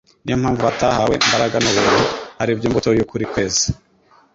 niyo mpamvu batahawe mbaraga n'ubuntu, aribyo mbuto y'ukuri kweza.